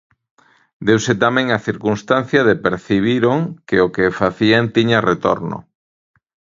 Deuse tamén a circunstancia de percibiron que o que facían tiña retorno.